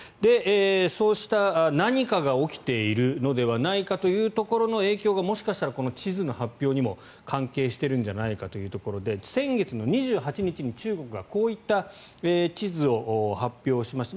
そうした何かが起きているのではないかというところの影響がもしかしたらこの地図の発表にも関係しているんじゃないかというところで先月の２８日に中国がこういった地図を発表しました。